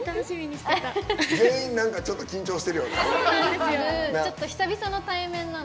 全員、ちょっと緊張してるよな。